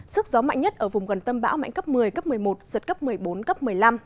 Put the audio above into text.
sức gió mạnh nhất ở vùng gần tâm bão mạnh cấp một mươi cấp một mươi một giật cấp một mươi bốn cấp một mươi năm